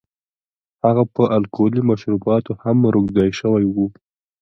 هغه په الکولي مشروباتو هم روږدی شوی و.